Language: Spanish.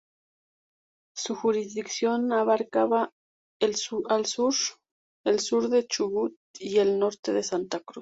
Su jurisdicción abarcaba el sur del Chubut y el norte de Santa Cruz.